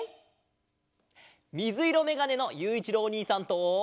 みずいろめがねのゆういちろうおにいさんと！